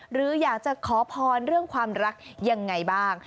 หรืออยากจะขอพรเรื่องความรักยังไงบ้าง